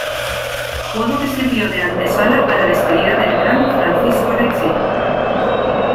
Juego que sirvió de antesala a la despedida del gran Francisco Rizzi.